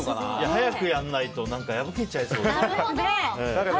早くやらないと破けちゃいそうだから。